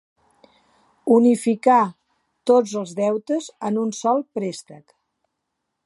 Unificar tots els deutes en un sol préstec.